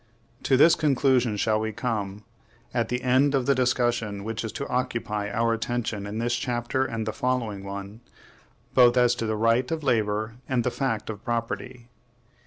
To this conclusion shall we come, at the end of the discussion which is to occupy our attention in this chapter and the following one, both as to the right of labor and the fact of property.